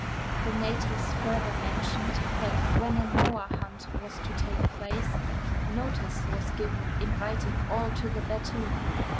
The natives further mentioned that when a moa hunt was to take place notice was given inviting all to the battue.